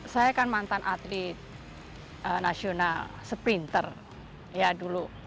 saya kan mantan atlet nasional sprinter ya dulu